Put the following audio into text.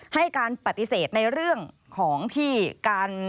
ให้การปฏิเสธในเรื่องของที่การ